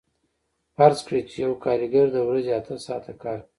فرض کړئ چې یو کارګر د ورځې اته ساعته کار کوي